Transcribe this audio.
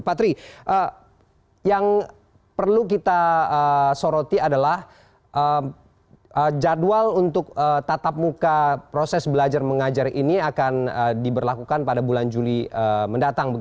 pak tri yang perlu kita soroti adalah jadwal untuk tatap muka proses belajar mengajar ini akan diberlakukan pada bulan juli mendatang